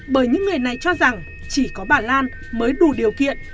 bởi những người này cho rằng chỉ có bà lan mới đủ điều kiện